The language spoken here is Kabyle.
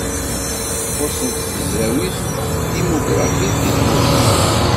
Xuṣṣent tezrawin n tedimugrafit deg tmurt-nneɣ.